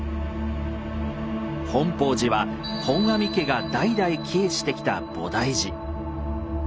本法寺は本阿弥家が代々帰依してきた菩提寺。